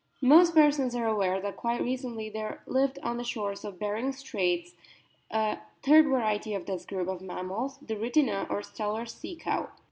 Most persons are aware that quite recently there lived on the shores of Behring's Straits a third variety of this group of mammals, the Rhytina, or Steller's Sea cow.